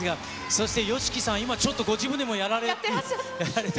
そしてＹＯＳＨＩＫＩさん、今、ちょっとご自分でもやられて。